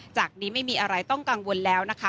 จากนี้ไม่มีอะไรต้องกังวลแล้วนะคะ